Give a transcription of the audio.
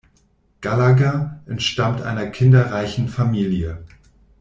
Gallagher entstammt einer kinderreichen Familie.